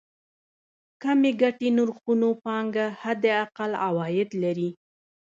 کمې ګټې نرخونو پانګه حداقل عواید لري.